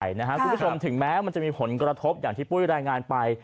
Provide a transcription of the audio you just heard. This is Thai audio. คุณผู้ชมถึงแม้มันจะมีผลกระทบอย่างที่ปุ้ยรายงานไป